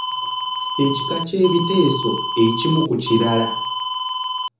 Ekika ky'ebiteeso ekimu ku kirala.